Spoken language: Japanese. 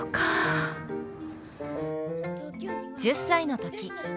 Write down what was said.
１０歳の時。